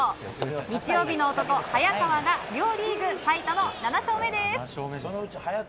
日曜日の男・早川が両リーグ最多の７勝目です。